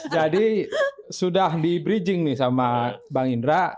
jadi sudah di bridging nih sama bang indra